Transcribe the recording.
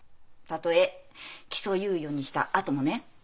たとえ起訴猶予にしたあともね。